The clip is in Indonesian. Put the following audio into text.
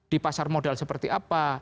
di pasar modal seperti apa